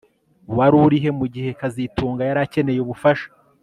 Wari urihe mugihe kazitunga yari akeneye ubufasha